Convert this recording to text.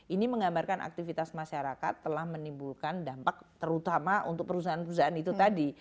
ini menggambarkan aktivitas masyarakat telah menimbulkan dampak terutama untuk perusahaan perusahaan itu tadi